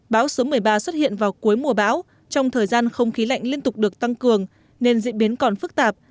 bão số một mươi ba xuất hiện vào cuối mùa bão trong thời gian không khí lạnh liên tục được tăng cường nên diễn biến còn phức tạp